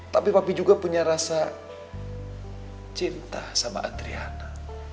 tapi papi juga punya rasa cinta sama adriana